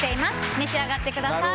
召し上がってください。